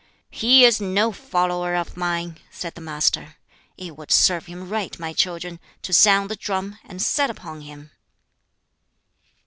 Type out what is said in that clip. "He is no follower of mine," said the Master. "It would serve him right, my children, to sound the drum, and set upon him."